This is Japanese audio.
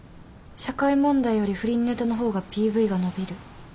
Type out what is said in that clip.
社会問題より不倫ネタの方がＰＶが伸びる。